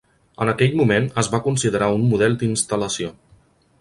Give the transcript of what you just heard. En aquell moment es va considerar un model d'instal·lació.